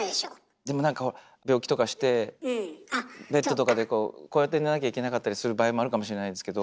でもなんか病気とかしてベッドとかでこうやって寝なきゃいけなかったりする場合もあるかもしれないですけど。